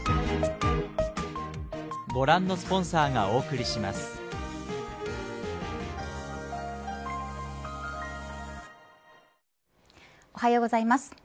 おはようございます。